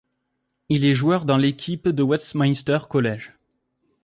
Il est joueur dans l'équipe de Westminster College.